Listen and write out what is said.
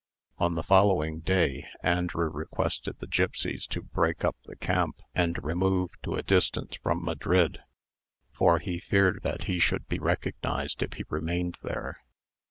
On the following day, Andrew requested the gipsies to break up the camp, and remove to a distance from Madrid; for he feared that he should be recognised if he remained there.